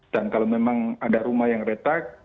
dan kalau memang ada rumah yang retak